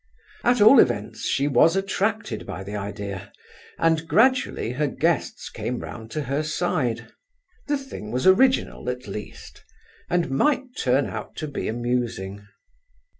At all events she was attracted by the idea, and gradually her guests came round to her side; the thing was original, at least, and might turn out to be amusing.